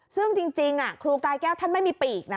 ซึ่งจริงครูกายแก้วท่านไม่มีปีกนะ